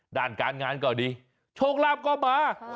ด้านการงานก็เอาอย่างดีโชคร่าบก็อบม้า